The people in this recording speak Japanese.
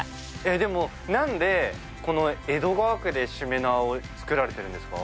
でもなんでこの江戸川区でしめ縄を作られてるんですか？